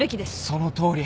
そのとおり。